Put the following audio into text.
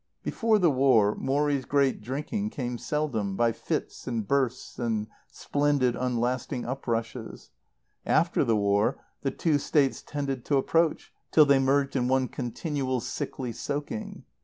Before the war Morrie's great drinking came seldom, by fits and bursts and splendid unlasting uprushes; after the war the two states tended to approach till they merged in one continual sickly soaking.